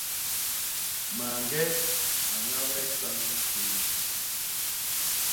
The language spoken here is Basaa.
Mañge a ñable isañ péé.